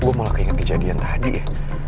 gue malah keinget kejadian tadi ya